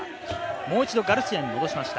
もう一度ガルシアに戻しました。